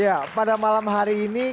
ya pada malam hari ini kita akan benar benar